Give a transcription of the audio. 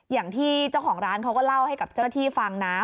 อย่างที่เจ้าของร้านเขาก็เล่าให้กับเจ้าหน้าที่ฟังนะ